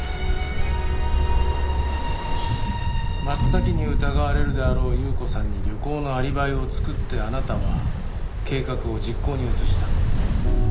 真っ先に疑われるであろう優子さんに旅行のアリバイを作ってあなたは計画を実行に移した。